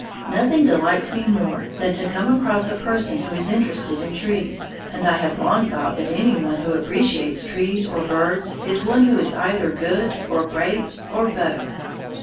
Nothing delights me more than to come across a person who is interested in trees; and I have long thought that any one who appreciates trees or birds is one who is either good or great, or both.